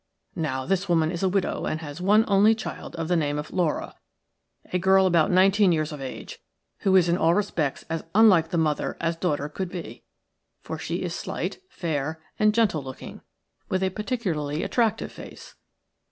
Now, this woman is a widow and has one only child of the name of Laura, a girl about nineteen years of age, who is in all respects as unlike the mother as daughter could be, for she is slight, fair, and gentle looking, with a particularly attractive face.